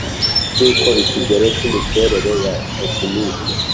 cy uko ikigero cy imiterere ya tekinike